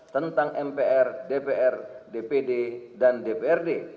tentang mpr dpr dpd dan dprd